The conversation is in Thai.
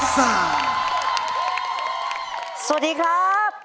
สวัสดีครับ